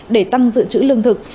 để tăng dự trữ lương thực